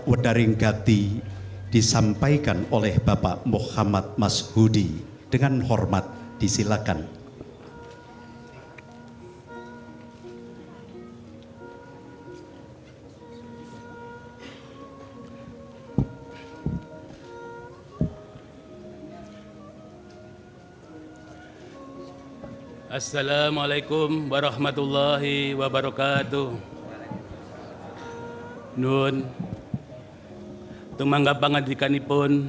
untuk menggabungkan dikani pun